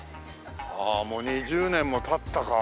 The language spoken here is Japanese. ああもう２０年も経ったか。